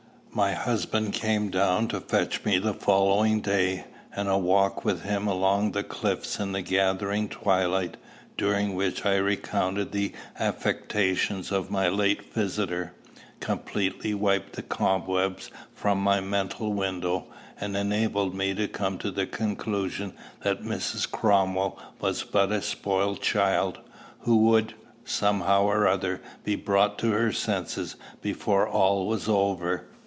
My husband came down to fetch me the following day; and a walk with him along the cliffs in the gathering twilight, during which I recounted the affectations of my late visitor, completely wiped the cobwebs from my mental windows, and enabled me to come to the conclusion that Mrs. Cromwell was but a spoiled child, who would, somehow or other, be brought to her senses before all was over.